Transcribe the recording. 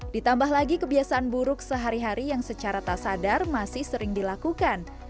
ditambah lagi kebiasaan buruk sehari hari yang secara tak sadar masih sering dilakukan